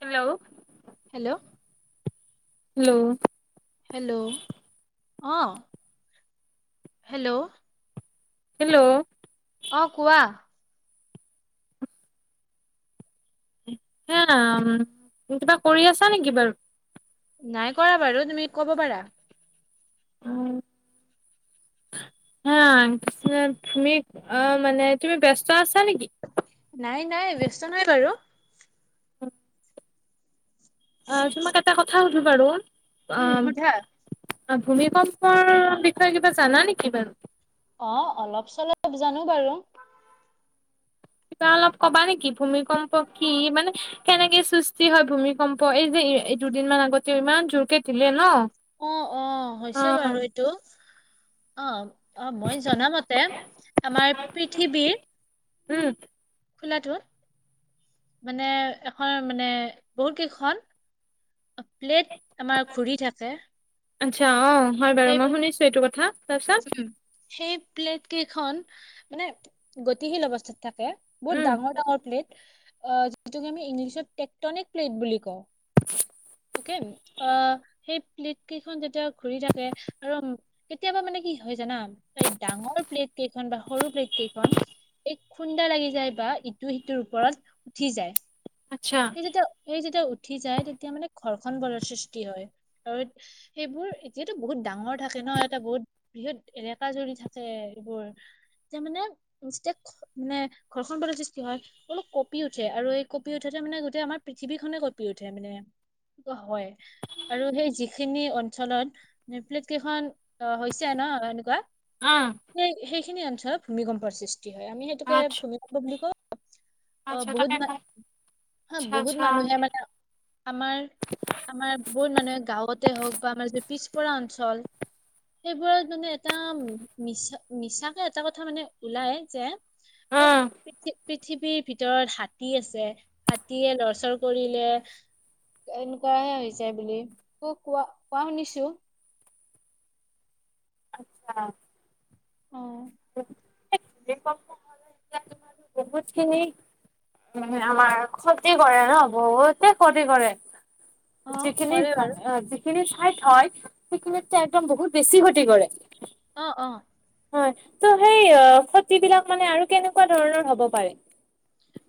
Hello, hello hello. Hello অ'। Hello. Hello. অ', কোৱা। হে ৰাম, কিবা কৰি আছা নেকি বাৰু? নাই কৰা বাৰু তুমি ক'ব পাৰা। হা তুমি অ', মানে তুমি ব্যস্ত আছা নেকি? নাই নাই ব্যস্ত নাই বাৰু। উ অ', তোমাক এটা কথা সুধো বাৰু অ'। উম সোধা ভূমিকম্পৰ বিষয়ে কিবা জানা নেকি বাৰু? অ', অলপ চলপ জানো বাৰু। তা অলপ কবা নেকি ভূমিকম্প কি মানে কেনেকে সৃষ্টি হয়, ভূমিকম্প এই যে দুদিনমান আগতেও ইমান জোৰকে দিলে ন অ', অ', হৈছে বাৰু এইটো অ'। অ', মই জনামতে আমাৰ পৃথিৱীৰ উম খোলাটো। মানে এখন মানে বহুত কেইখন প্লেট আমাৰ ঘূৰি থাকে। আচ্ছা, অ', হয় বাৰু সেই মই শুনিছো এইটো কথা তাৰপিছত। উম। সেই প্লেট কেইখন মানে গতিশীল অৱস্থাত তাকে বহুত উম ডাঙৰ ডাঙৰ প্লেট অ', যিটোক আমি ইংলিছত টেক্টনিক প্লেট বুলি কওঁ। [inaudible] তাকে অ', সেই প্লেট কেইখন যেতিয়া ঘূৰি থাকে আৰু কেতিয়াবা মানে কি হয় জানা এই ডাঙৰ প্লেট কেইখন বা সৰু প্লেট কেইখন এই খুন্দা লাগি যায় বা ইটো সিটোৰ ওপৰত উঠি যায়। আচ্ছা এই যেতিয়া এই যেতিয়া উঠি যায় তেতিয়া মানে ঘৰখন বলৰ সৃষ্টি হয় আৰু সেইবোৰ এতিয়াতো বহুত ডাঙৰ থাকে ন' এটা বহুত বৃহৎত এলেকা যদি থাকে এইবোৰ, যে মানে ইনষ্টেট মানে ঘৰ্ষণ [unintelligible] সৃষ্টি হয়। অলপ কঁপি উঠে, আৰু এই কঁপি উঠোতে মানে গোটেই আমাৰ পৃথিৱীখনে কঁপি উঠে মানে। [unintelligible] হয়। আৰু সেই যিখিনি অঞ্চলত নিউপ্লেট কেইখন অহ, হৈছে ন' এনেকুৱা। অ'। নে সেই সেইখিনি অঞ্চলত ভূমিকম্পৰ সৃষ্টি তি হয় আমি সেইটোকে আচ্ছা ভূমিকম্প বুলি কওঁ, আচ্ছা অ', তাকে বহুতবাৰ হা আচ্ছা বহুত আচ্ছা। মানুহে মানে আমাৰ, আমাৰ বহুত মানুহে গাঁৱতে হওঁক বা আমাৰ যে পিছপৰা অঞ্চল সেইবোৰত মানে এটা মিছা মিছাকে এটা কথা মানে ওলাই যে অ', উম। পিঠি পৃথিৱীৰ ভিতৰত হাতী আছে, হাতীয়ে লৰচৰ কৰিলে এনেকুৱাহে হৈছে বুলি, ক কোৱা কোৱা শুনিছোঁ। আচ্ছা। অ'। [unintelligible] তোমাৰটো বহুতখিনি উম, আমাৰ ক্ষতি কৰে ন, বহুতে ক্ষতি কৰে। [inaudible] অ সিখিনি কৰে বাৰু ঠাইত হয়, সেইখিনি ঠাইত একদম বহুত বেছি ক্ষতি কৰে। অ', অ'। হয়, ত' সেই ক্ষতিবিলাক মানে আৰু কেনেকুৱা ধৰণৰ হ'ব পাৰে?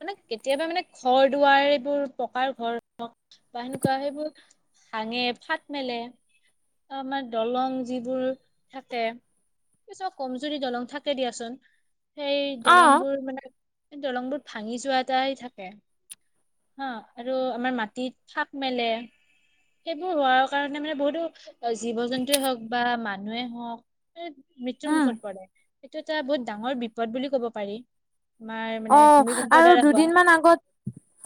মানে কেতিয়াবা মানে ঘৰ দুৱাৰ সেইবোৰ পকাৰ ঘৰ হওঁক বা সেনেকুৱা সেইবোৰ ভাঙে ফাট মেলে আৰু আমাৰ দলং যিবোৰ থাকে। অৱশ্যে কমজুৰি দলং থাকে দিয়াচোন সেই অ', দলংবোৰ মানে দলংবোৰ ভাঙি যোৱা এটা ই থাকে। হা আৰু আমাৰ মাটিত ফাট মেলে। সেইবোৰ হোৱাৰ কাৰণে মানে বহুতো অ', জীৱ জন্তুৱে হওঁক বা মানুহে হওঁক মৃত্যুৰ উম। মুখত পৰে সেইটো এটা বহুত ডাঙৰ বিপদ বুলি ক'ব পাৰি। আমাৰ মানে অ', ভূমিকম্পৰ আৰু দ্বাৰা হোৱা দুদিনমান আগত,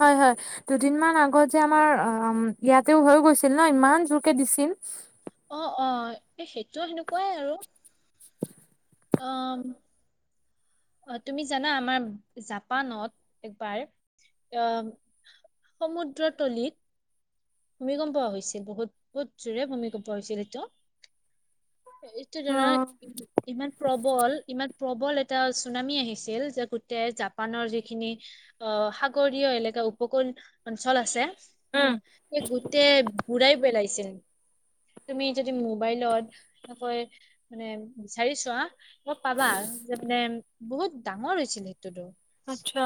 হয় হয়। দুদিনমান আগত যে আমাৰ অ' ইয়াতেও হৈ গৈছিল ন ইমান জোৰকে দিছিল। অ', অ', এই সেইটো সেনেকুৱাই আৰু। [inaudible] অ'। অ', তুমি জানা আমাৰ জাপানত একবাৰ অ' সমুদ্ৰতলীত ভূমিকম্প হৈছিল বহুত বহুত জোৰে ভূমিকম্প হৈছিল সেইটো। এইটো ধৰা অ', ই ইমান প্ৰবল ইমান প্ৰবল এটা চুনামি আহিছিল, যে গোটেই জাপানৰ যিখিনি অ', সাগৰীয় এলেকা উপকূল অঞ্চল আছে। উম! এই গোটেই বুৰাই পেলাইছিল। তুমি যদি মোবাইলত [inaudible] মানে বিচাৰি চোৱা ত' পাবা যে মানে বহুত ডাঙৰ হৈছিল সেইটোতো। আচ্ছা।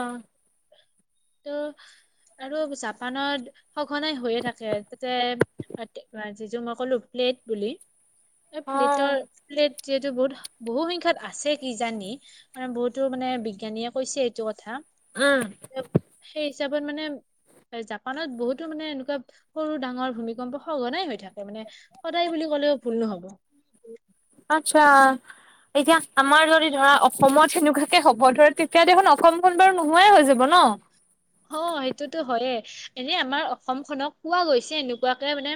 ত' আৰু জাপানত সঘনাই হৈয়ে থাকে। তাতে [unintelligible] যিযোৰ মই ক'লো প্লেট বুলি, এই অ'। প্লেটৰ প্লেট যিহেতু বহুত বহুসংখ্যক আছে কিজানি। মানে বহুতো মানে বিজ্ঞানীয়ে কৈছে এইটো কথা। উম। এ, সেই হিচাপত মানে জাপানত বহুতো মানে এনেকুৱা সৰু ডাঙৰ ভূমিকম্প সঘনাই হৈ থাকে। মানে সদায় বুলি ক'লেও ভুল নহ'ব। আচ্ছা। এতিয়া আমাৰ যদি ধৰা অসমত সেনেকুৱাকে হ'ব ধৰে তেতিয়া দেখোন অসমখন বাৰু নোহোৱাই হৈ যাব ন। অ', সেইটোতো হয়েই। এনেই আমাৰ অসমখনক কোৱা গৈছে এনেকুৱাকে মানে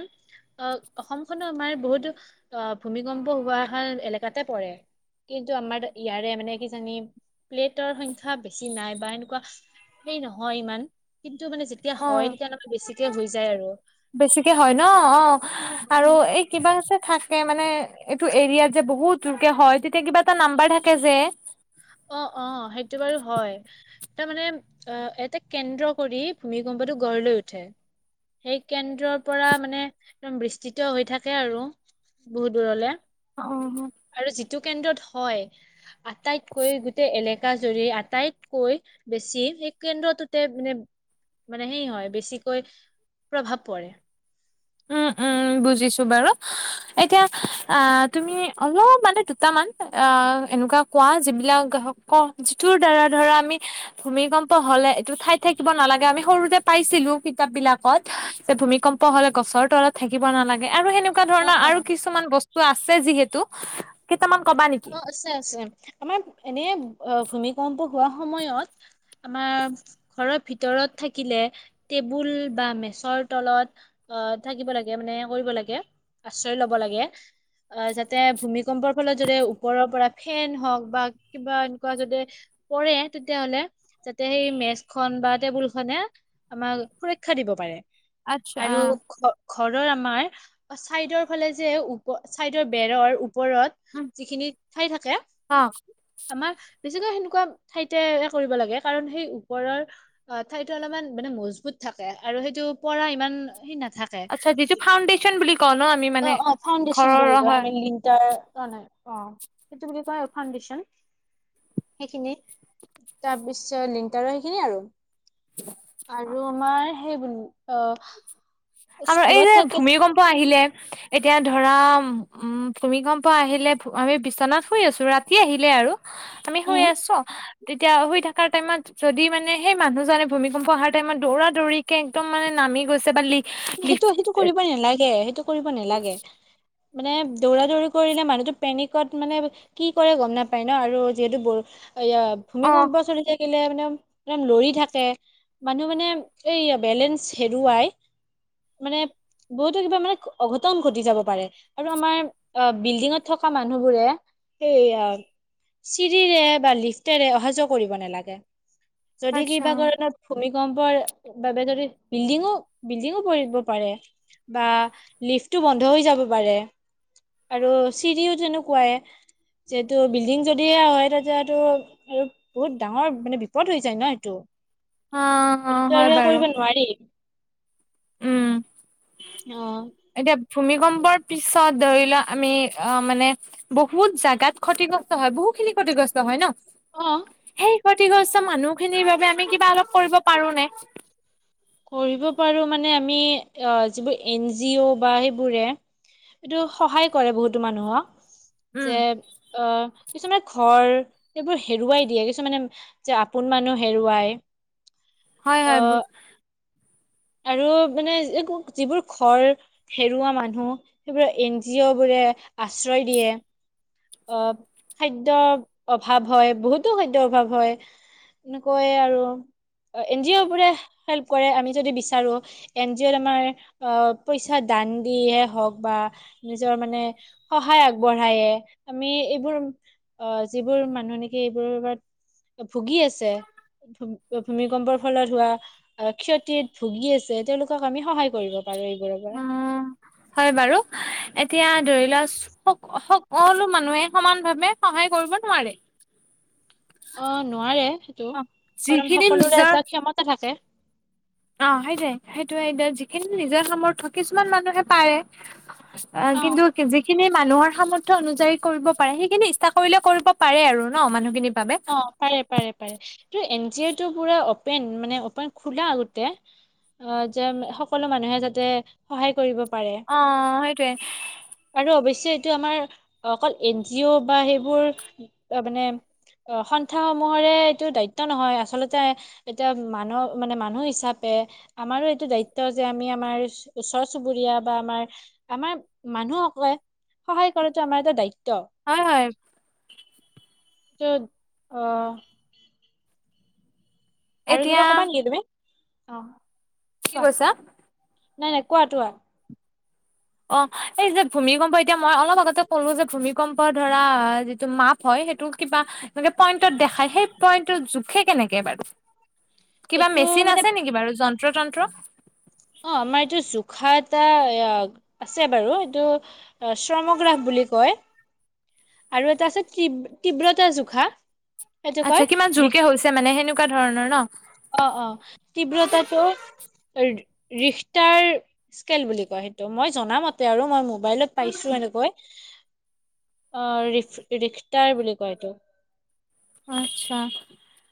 আহ অসমখনো আমাৰ বহুতো আহ ভূমিকম্প হোৱা আহাৰ এলেকাতে পৰে। কিন্তু আমাৰ ইয়াৰে মানে কিজানি প্লেটৰ সংখ্যা বেছি নাই বা এনেকুৱা এই নহয় ইমান। কিন্তু মানে যে অ বেছিকে হয় ন অ আৰু এই কিবা‌ যে থাকে মানে এইটো এৰিয়াত যে বহুত জোৰকে হয় তেতিয়া কিবা এটা নাম্বাৰ থাকে যে। অ অ সেইটো বাৰু হয়। তাৰ মানে অ এটা কেন্দ্ৰ কৰি ভূমিকম্পটো গঢ় লৈ উঠে। সেই কেন্দ্ৰৰ পৰা মানে একদম বিস্তৃত হৈ থাকে আৰু বহুত দূৰলে। অ। আৰু যিটো কেন্দ্ৰত হয় আটাইতকৈ গোটেই এলেক কাজৰি আটাইতকৈ বেছি সেই কেন্দ্ৰটোতে মানে মানে সেই হয় বেছিকৈ প্ৰভাৱ পৰে। উম উম বুজিছো বাৰু এতিয়া আহ তুমি অলপ মানে দুটামান আহ এনেকুৱা কোৱা যিবিলাক ক যিটোৰ দ্বাৰা ধৰা আমি ভূমিকম্প হলে এইটো ঠাই থাকিব নালাগে আমি সৰুতে পাইছিলো কিতাপবিলাকত যে ভূমিকম্প হ'লে গছৰ তলত থাকিব নালাগে আৰু সেনেকুৱা অ ধৰণৰ অ আৰু কিছ ছুমান বস্তু আছে যিহেতু কেইটামান কবা নেক অ আছে আছে আমাৰ এনে ভূমিকম্প হোৱা সময়ত আমাৰ ঘৰৰ ভিতৰত থাকিলে টেবুল বা মেচৰ তলত অ থাকিব লাগে মানে কৰিব লাগে আশ্ৰয় লব লাগে। অ যাতে ভূমিকম্পৰ ফলত যদে ও পৰৰ পৰা ফেন হওঁক বা কিবা এনেকুৱা যদি পৰে তেতিয়া হ'লে যাতে সেই মেচখন বা টেবুলখনে আমাক সুৰক্ষা দিব পাৰে আচ্ছা, আৰু ঘ ঘৰৰ আমাৰ চাইদৰ ফালে যে ওপ চাইদৰ বেৰৰ ওপৰত উম, যিখিনি ঠাই থাকে। অ', আমাৰ বেছিকৈ সেনেকুৱা ঠাইতে কৰিব লাগে কাৰণ সেই ওপৰৰ অ ঠাইতো অলপমান মানে মজবুত থাকে আৰু সেইটো পৰা ইমান সেই নাথাক যায়। আচ্ছা যিটো ফাউণ্ডেশ্যন বুলি কওঁ ন আমি অ মানে অ ফাউণ্ডেচন ঘৰৰ বুলি কয় হয়। আমি লিং তাৰ, ক নাই অ সেইটো বুলি কয় ফাউণ্ডেশ্যন সেইখিনি তাৰ পিছত লিংটাৰো সেইখিনিয়ে আৰু। আৰু আমাৰ সেই বুলি অ আৰু এই স্কুলত যে থাকে ভূমিকম্প আহিলে এতিয়া ধৰা উম ভূমিকম্প‌ আহিলে আমি বিচনাত শুই আছো ৰাতি আহিলে আৰু আমি শুই উম আছো তেতিয়া শুই থকা টাইমত যদি মানে সেই মানুহজনে ভূমিকম্প অহাৰ টাইমত দৌৰা দৌৰি কে একদম মানে নামি গৈছে বা লি সেইটো লিফ্ট সেইটো কৰিব নেলাগে সেইটো কৰিব নেলাগে। মানে দৌৰা দৌৰি কৰিলে মানুহটো পেনিকত মানে কি কৰে গম নাপায় ন আৰু যিহেতু বৰ এইয়া অ ভূমিকম্প চলিলে থাকিলে মানে একদম লৰি থাকে মানুহ মানে এই বেলেঞ্চ হেৰুৱাই মানে বহুতো কিবা মানে অঘটন ঘটি যাব পাৰে। আৰু আমাৰ আ বিল্ডিঙত থকা মানুহবোৰে এই আ চিৰিৰে বা লিফ্টেৰে অহা যোৱা কৰিব নালাগে। যদি আচ্ছা কিবা কাৰণত ভূমিকম্পৰ বাবে যদি বিল্ডিঙো বিল্ডিঙো পৰিব পাৰে বা লিফ্টটো বন্ধ হৈ যাব পাৰে। আৰু চিৰিও তেনেকুৱাই যিহেতু বিল্ডিং যদিহে হয় তেতিয়াটো আৰু বহুত ডাঙৰ মানে বিপদ হৈ যায় ন এইটো। অ অ এইটোতো হয় আৰু এ বাৰু কৰিব নোৱাৰি। উম অহ। এতিয়া ভূমিকম্পৰ পিছত ধৰি লোৱা আমি অ মানে বহুত জাগাত ক্ষতিগ্ৰস্ত হয় বহু খিনি ক্ষতিগ্ৰস্ত হয় ন। অহ। সেই ক্ষতিগ্ৰস্ত মানুহ খিনিৰ বাবে আমি কিবা অলপ কৰিব পাৰো নে? কৰিবো পাৰোঁ মানে আমি অ যিবোৰ এন জি অ' বা সেইবোৰে এইটো সহায় কৰে বহুতো মানুহক। যে উম অ কিছুমানে ঘৰ এইবোৰ হেৰুৱাই দিয়ে, কিছুমানে যে আপোন মানুহ হেৰুৱাই হয় অ হয় আৰু মানে একো যিবোৰ ঘৰ হেৰুৱা মানুহ সেইবোৰক এন জি অ' বোৰে আশ্ৰয় দিয়ে। অ খাদ্যৰ অভাৱ হয়, বহুতো খাদ্যৰ অভাৱ হয়। এনেকৈয়ে আৰু এন জি অ' বোৰে হেল্প কৰে আমি যদি বিচাৰো। এন জি অ' ত আমাৰ আহ পইচা দান দিয়ে হওঁক বা নিজৰ মানে সহায় আগবঢ়ায়ে আমি এইবোৰ অ যিবোৰ মানুহ নেকি এইবোৰৰ ওপৰত ভুগি আছে ভূ ভূমিকম্পৰ ফলত হোৱা আহ ক্ষতিত ভুগি আছে তেওঁলোকক আমি সহায় কৰিব পাৰো এইবোৰৰ পৰা। উম। হয় বাৰু, এতিয়া ধৰি লোৱা স স সকলো মানুহে সমান ভাৱে সহায় কৰিব নোৱাৰে। অ নোৱাৰে সেইটো, অ কাৰণ যিখিনি সকলোৰে নিজৰ এটা ক্ষমতা থাকে। অ সেইটোৱে সেইটোৱে এতিয়া যিখিনি নিজৰ সামৰ্থ কিছুমান মানুহে পাৰে আ অ কিন্তু যিখিনি মানুহৰ সামৰ্থ অনুযায়ী কৰিব পাৰে, সেইখিনি ইচ্ছা কৰিলে কৰিব পাৰে আৰু ন মানুহখিনি অ পাৰে পাৰে পাৰে, এইটো এন জি অ'টো পোৰা অপেন মানে অপেন খোলা গোটেই। অ যে সকলো মানুহে যাতে সহায় কৰিব পাৰে। অঁ সেইটোৱে। আৰু অৱশ্যে এইটো আমাৰ অকল এন জি অ' বা সেইবোৰ আ মানে অ সন্থাসমূহৰে এইটো দায়িত্ব নহয় আচলতে এতিয়া মানুহ মানে মানুহ হিচাপে আমাৰো এইটো দায়িত্ব যে আমি আমাৰ ওচৰ চুবুৰীয়া বা আমাৰ আমাৰ মানুহসকলে সহায় কৰাটো আমাৰ এটা দায়িত্ব। হয় হয়। ত' অহ আৰু কিবা এতিয়া ক'বা নেকি তুমি? অহ কি কোৱা, কৈছা নাই নাই কোৱা তোৱা। অ এই যে ভূমিকম্প এতিয়া মই অলপ আগতে ক'লো যে ভূমিকম্প ধৰা যিটো মাপ হয় সেইটো কিবা এনেকে পইন্টত দেখাই, সেই পইণ্টটো জোখে কেনেকে বাৰু? কিবা এইটো মেচিন মানে আছে নেকি বাৰু যন্ত্ৰ তন্ত্ৰ? অ আমাৰ এইটো জোখাৰ এটা আছে বাৰু এইটো আ শ্ৰমগ্ৰাফ বুলি কয়। আৰু এটা আছে তীব তীব্ৰতা জোখা। সেইটো আচ্ছা কয় কিমান ৰিখ জোৰকে হৈছে, মানে সেনেকুৱা ধৰণৰ ন? অ', অ, তীব্ৰতাটো [unintelligible] ৰিখটাৰ স্কেল বুলি কয় সেইটো, মই জনামতে আৰু মই মোব বাইলত পাইছোঁ এনেকৈ, অ, ৰিফ ৰিখটাৰ বুলি কয় এইটো। অ', আচ্ছা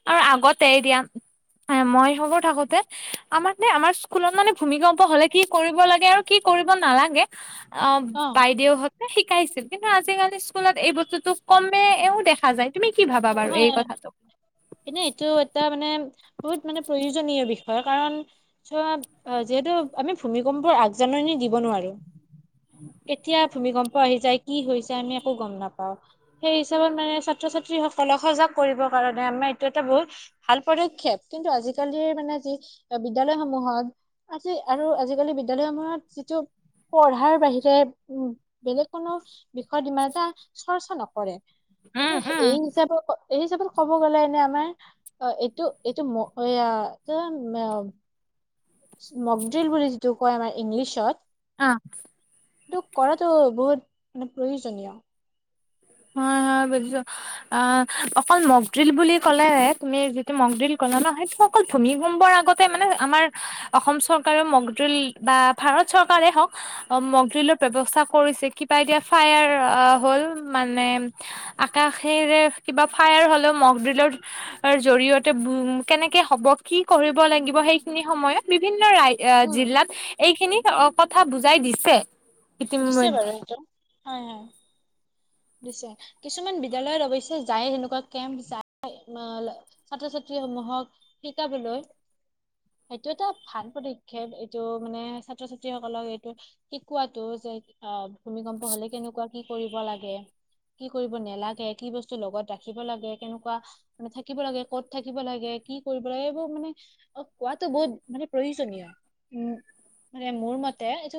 আৰু আগতে দিয়া [unintelligible] মই সৰু থাকোতে আমাক নে, আমাৰ স্কুলত মানে ভূমিকম্প হ'লে কি কৰিব লাগে আৰু কি কৰিব নালাগে অ', বাইদেউহঁত [unintelligible] শিকাইছিল কিন্তু আজিকালি, স্কুলত এই বস্তুতটো কমেওঁ দে অ', অ, হয়। কিন্তু এইটো এটা মানে, বহুত মানে প্ৰয়োজনীয় বিষয় কাৰণ [unintelligible] যিহেতু, আমি ভূমিকম্পৰ আগজাননী দিব নোৱাৰোঁ। কেতিয়া ভূমিকম্প আহি যায়, কি হৈ যায়, আমি একো গম নাপাওঁ। সেই হিচাপত মানে ছাত্ৰ-ছাত্ৰীসকলক সজাগ কৰিবৰ কাৰণে, আমাৰ এইটো এটা বহুত ভাল পদক্ষেপ, কিন্তু আজিকালিৰ মানে যি বিদ্যালয়সমূহত আজি আৰু আজিকালি বিদ্যালয়সমূহত যিটো পঢ়াৰ বাহিৰে উম, বেলেগ কোনো বিষয়ত ইমান এটা চৰ্চা নকৰে, উম, তো সে উম। এই হিচাপত এই হিচাপত ক'ব গ'লে এনে আমাৰ অ, ‌ এইটো এইটো ম এয়া [unintelligible] মকড্ৰিল বুলি যিটো কয় আমাৰ ইংলিছত। অ',। এইটো কৰাটো বহুত মানে প্ৰয়োজনীয়। হা হা বুজিছোঁ। আ, অকল মগড্ৰিল বুলি ক'লে তুমি যিটো মগড্ৰিল ক'লা ন সেইটো অকল ভূমিকম্পৰ আগতে মানে আমাৰ অসম চৰকাৰেও মকড্ৰিল বা ভাৰত চৰকাৰে হওঁক। অ', মকড্ৰিলৰ ব্যৱস্থা কৰিছে। কিবা এতিয়া, ফায়াৰ আ, হ'ল। মানে আকাশেৰে কিবা ফায়াৰ হ'লেও মকড্ৰিলৰ জৰিয়তে [unintelligible] কেনেকে হ'ব? কি কৰিব লাগিব, সেইখিনি সময়ত বিভিন্ন ৰাই এ, উম, জিলাত এইখিনি অ, কথা বুজাই দিছে। দিছে ইতিমধ্যে। বাৰু সেইটো, হয়-হয় দিছে। কিছুমান বিদ্যালয়ত অৱশ্যে, যায় সেনেকুৱা কেম্প [unintelligible] ছাত্ৰ ছাত্ৰী সমূহক শিকাবলৈ সেইটো এটা ভাল পদক্ষেপ, এইটো মানে ছাত্ৰ- ছাত্ৰী সকলক এইটো শিকোৱাত টো যে অ, ভূমিকম্প হ'লে কেনেকুৱা কি কৰিব লাগে? কি কৰিব নালাগে, কি বস্তু লগত ৰাখিব লাগে, কেনেকুৱা [unintelligible] থাকিব লাগে ক'ত থাকিব লাগে, কি কৰিব লাগে, এইবোৰ মানে অ, কোৱাটো বহুত মানে প্ৰয়োজনীয়। উম [unintelligible] মোৰ মতে [unintelligible]